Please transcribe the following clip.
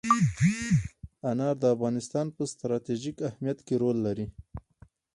انار د افغانستان په ستراتیژیک اهمیت کې رول لري.